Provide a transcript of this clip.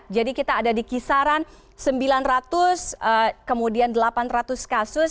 jadi kita ada di kisaran sembilan ratus kemudian delapan ratus kasus